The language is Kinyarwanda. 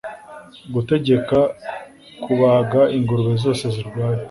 gutegeka kubaga ingurube zose zirwaye